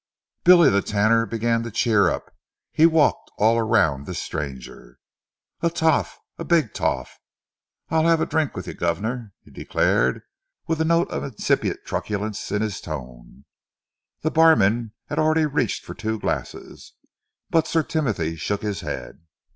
Billy the Tanner began to cheer up. He walked all round this stranger. "A toff! A big toff! I'll 'ave a drink with you, guvnor," he declared, with a note of incipient truculence in his tone. The barman had already reached up for two glasses but Sir Timothy shook his head.